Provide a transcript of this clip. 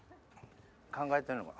考えてるのかな